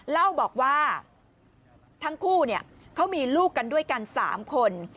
เล่าบอกว่าทั้งคู่เขามีลูกกันด้วยกัน๓คน